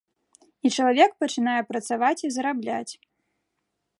І чалавек пачынае працаваць і зарабляць.